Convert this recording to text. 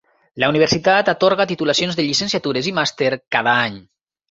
La universitat atorga titulacions de llicenciatures i màster cada any.